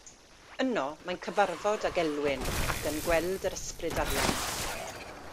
Yno mae'n cyfarfod ag Elwyn ac yn gweld yr Ysbryd Arian.